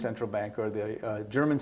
atau bank central jerman